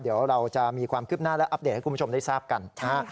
เดี๋ยวเราจะมีความคืบหน้าและอัปเดตให้คุณผู้ชมได้ทราบกันนะฮะ